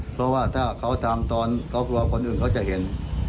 เพราะว่าถ้าเขาทำตอนเขากลัวคนอื่นเขาจะเห็น